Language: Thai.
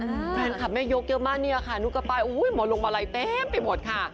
แฟนคลับแม่ยกเยอะมากเนี่ยค่ะนุกก็ไปอุ้ยหมอลงมาลัยเต็มไปหมดค่ะ